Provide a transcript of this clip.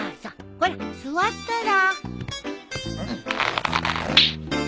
ほら座ったら？